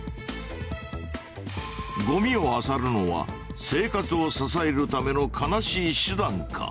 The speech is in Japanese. ごみを漁るのは生活を支えるための悲しい手段か？